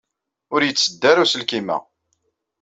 Ur yetteddu ara uselkim-a.